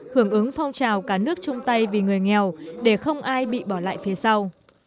hưởng ứng phong trào cả nước chung tay vì người nghèo để không ai bị bỏ lại phía sau